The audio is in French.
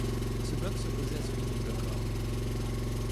Ce bloc s'opposait à celui du Bloc-or.